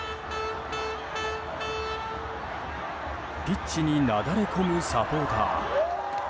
ピッチになだれ込むサポーター。